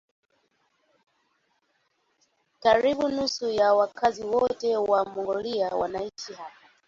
Karibu nusu ya wakazi wote wa Mongolia wanaishi hapa.